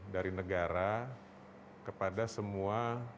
dari negara kepada semua